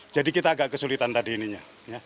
jadi kita agak kesulitan tadi ininya